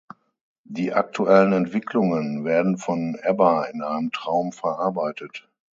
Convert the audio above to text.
Die aktuellen Entwicklungen werden von Ebba in einem Traum verarbeitet.